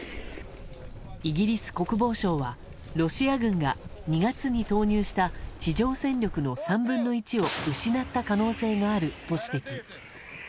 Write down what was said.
イギリス国防省はロシア軍が２月に投入した地上戦力の３分の１を失った可能性があると指摘。